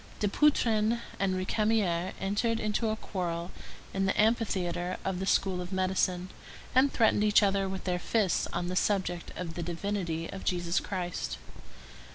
Dupuytren and Récamier entered into a quarrel in the amphitheatre of the School of Medicine, and threatened each other with their fists on the subject of the divinity of Jesus Christ.